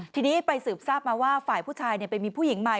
ทีนี้ไปสืบทราบมาว่าฝ่ายผู้ชายไปมีผู้หญิงใหม่